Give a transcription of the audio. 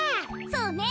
そうね。